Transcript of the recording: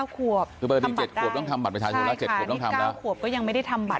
๙ขวบเหรอคะทำบัตรได้ใช่ค่ะนี่๙ขวบก็ยังไม่ได้ทำบัตร